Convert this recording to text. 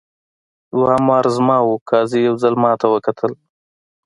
دوهم وار زما وو قاضي یو ځل ماته وکتل.